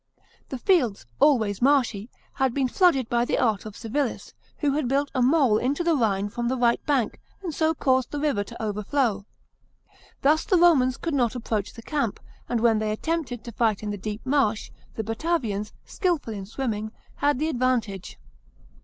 The fields, always marshy, had been flooded by the art of Civilis, who had built a mole into the Rhine from the right bank, and so caused the river to overflow. Thus the Romans could not approach the camp, and when they attempted to fight in the deep marsh, the Batavians, skilful in swimming, had the advantage.